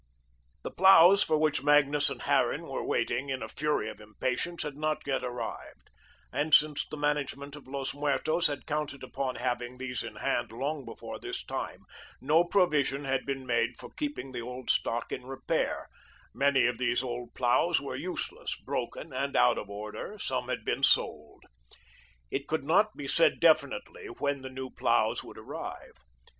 The ploughs for which Magnus and Harran were waiting in a fury of impatience had not yet arrived, and since the management of Los Muertos had counted upon having these in hand long before this time, no provision had been made for keeping the old stock in repair; many of these old ploughs were useless, broken, and out of order; some had been sold. It could not be said definitely when the new ploughs would arrive.